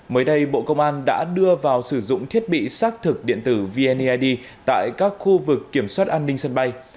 mới đây bộ công an đã đưa vào sử dụng thiết bị xác thực điện tử vneid tại các khu vực kiểm soát an ninh sân bay